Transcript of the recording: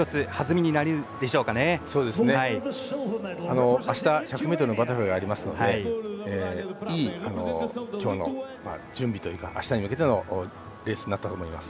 あの明日１００ｍのバタフライがありますのでいい今日の準備というか明日に向けてのレースになったと思います。